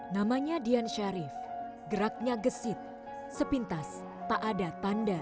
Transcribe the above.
namanya dian syarif geraknya gesit sepintas tak ada tanda